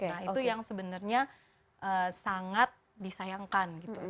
nah itu yang sebenarnya sangat disayangkan gitu